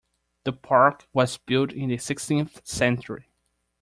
The park was built in the sixteenth century.